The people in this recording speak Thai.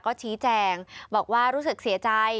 ก็ชี้แจงบอกว่ารู้สึกเสียใจ